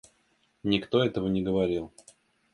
Никто этого не говорил.